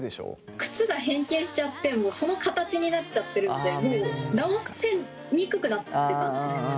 靴が変形しちゃってもうその形になっちゃってるんでもう直せにくくなってたんです。